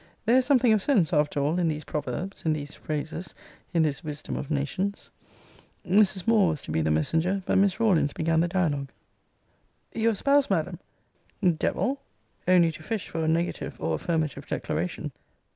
There is something of sense, after all in these proverbs, in these phrases, in this wisdom of nations. Mrs. Moore was to be the messenger, but Miss Rawlins began the dialogue. Your SPOUSE, Madam, [Devil! only to fish for a negative or affirmative declaration.